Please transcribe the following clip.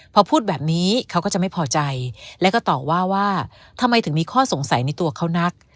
พอพูดแบบนี้เขาก็จะไม่พอใจแล้วก็ต่อว่าว่าทำไมถึงมีข้อสงสัยในตัวเขานัก